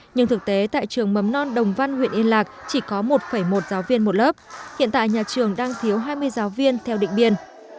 nhưng thực tế tại trường mầm non đồng văn huyện yên lạc chỉ có một một giáo viên một lớp hiện tại nhà trường đang thiếu hai mươi giáo viên theo định biên